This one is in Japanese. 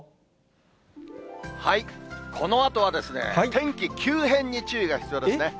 このあとはですね、天気急変に注意が必要ですね。